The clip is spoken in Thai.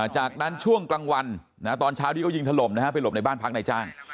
จากนั้นช่วงกลางวันตอนเช้าที่เขายิงถล่มไปหลบในบ้านพักในจ้าง